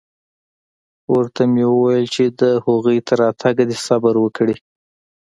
ورته مې وويل چې د هغوى تر راتگه دې صبر وکړي.